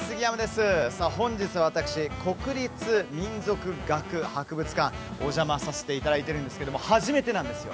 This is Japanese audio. さあ本日私国立民族学博物館お邪魔させて頂いてるんですけども初めてなんですよ。